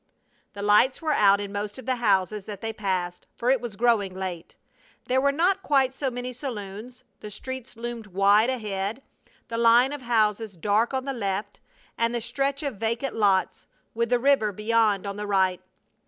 The lights were out in most of the houses that they passed, for it was growing late. There were not quite so many saloons. The streets loomed wide ahead, the line of houses dark on the left, and the stretch of vacant lots, with the river beyond on the right.